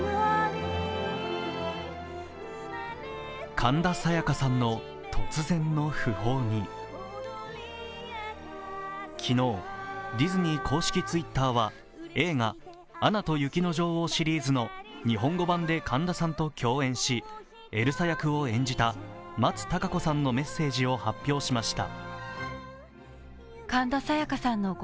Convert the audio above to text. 神田沙也加さんの突然の訃報に昨日、ディズニー公式Ｔｗｉｔｔｅｒは映画「アナと雪の女王」シリーズの日本語版で神田さんと共演し、エルサ役を演じた松たか子さんのメッセージを発表しました。